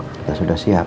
kita sudah siap